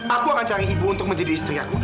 aku akan cari ibu untuk menjadi istri aku